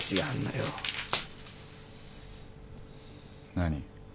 何？